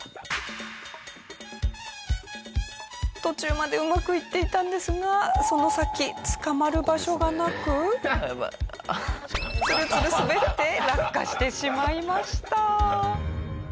途中までうまくいっていたんですがその先ツルツル滑って落下してしまいました。